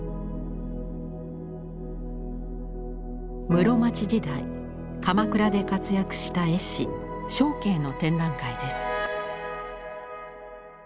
室町時代鎌倉で活躍した絵師祥啓の展覧会です。